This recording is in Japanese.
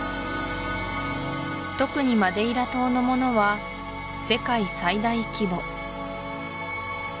特にマデイラ島のものは世界最大規模